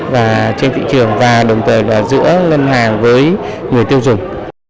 và trên thị trường và đồng thời là giữa ngân hàng với người tiêu dùng